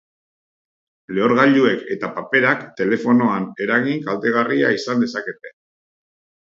Lehorgailuek eta paperak telefonoan eragin kaltegarria izan dezakete.